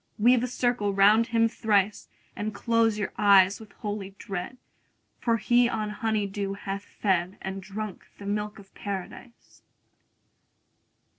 50 Weave a circle round him thrice, And close your eyes with holy dread, For he on honey dew hath fed, And drunk the milk of Paradise.